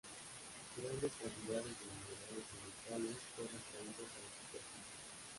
Grandes cantidades de minerales y metales fueron traídos a la superficie.